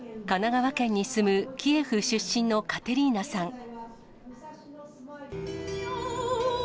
神奈川県に住むキエフ出身のカテリーナさん。